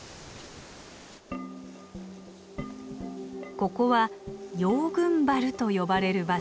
ここは羊群原と呼ばれる場所。